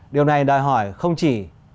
điều này đòi hỏi không chỉ